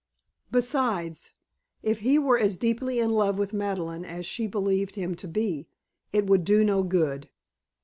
Besides, if he were as deeply in love with Madeleine as she believed him to be, it would do no good.